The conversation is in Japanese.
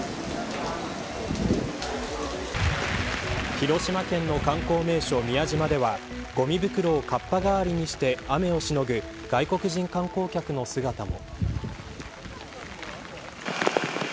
広島県の観光名所、宮島ではごみ袋をかっぱ代わりにして雨をしのぐ外国人観光客の姿も。